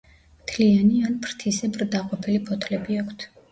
მთლიანი ან ფრთისებრ დაყოფილი ფოთლები აქვთ.